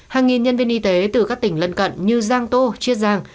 hàng nghìn nhân viên y tế từ các tỉnh lân cận như giang tô chiết giang